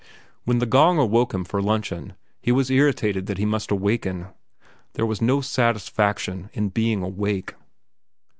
When the gong awoke him for luncheon, he was irritated that he must awaken. There was no satisfaction in being awake.